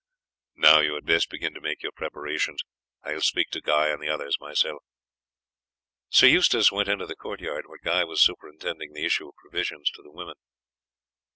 "Now you had best begin to make your preparations. I will speak to Guy and the others myself." Sir Eustace went into the court yard, where Guy was superintending the issue of provisions for the women.